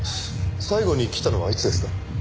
最後に来たのはいつですか？